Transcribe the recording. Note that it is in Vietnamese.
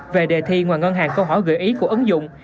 về đề thi ngoài ngân hàng câu hỏi gợi ý của ứng dụng